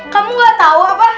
kamu gak tau apa